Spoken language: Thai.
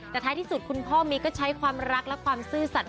แต่ท้ายที่สุดคุณพ่อมีก็ใช้ความรักและความซื่อสัตว